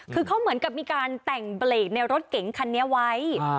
คือเขาเหมือนกับมีการแต่งเบรกในรถเก๋งคันนี้ไว้